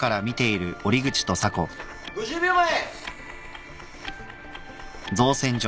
５０秒前。